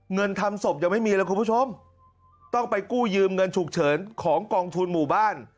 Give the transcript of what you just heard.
เงินทำศพยังไม่มีเลยคุณผู้ชมต้องไปกู้ยืมเงินฉุกเฉินของกองทุนหมู่บ้าน